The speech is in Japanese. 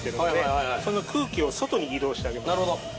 なるほど。